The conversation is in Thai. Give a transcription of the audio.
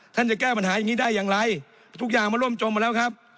จะแก้ปัญหาอย่างนี้ได้อย่างไรทุกอย่างมาร่วมจมมาแล้วครับ